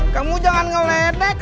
kamu jangan ngeledek